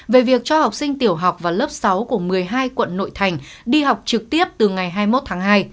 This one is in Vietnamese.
về việc cho học sinh tiểu học và lớp sáu của một mươi hai quận nội thành đi học trực tiếp từ ngày hai mươi một tháng hai